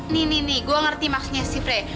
nih nih nih gua ngerti maksudnya sih frey